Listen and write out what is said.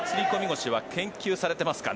腰は研究されてますかね。